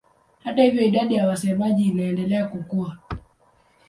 Hata hivyo idadi ya wasemaji inaendelea kukua.